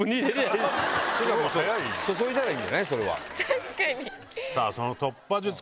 確かに！